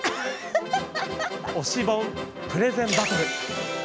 「推し本プレゼンバトル」。